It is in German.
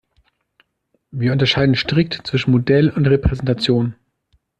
Wir unterscheiden strikt zwischen Modell und Repräsentation.